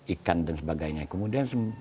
ikan dan sebagainya kemudian